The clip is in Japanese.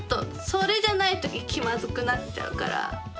それじゃないと気まずくなっちゃうから。